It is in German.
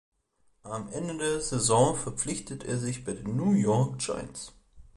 Am Ende der Saison verpflichtete er sich bei den New York Giants.